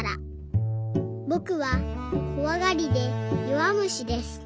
「ぼくはこわがりでよわむしです。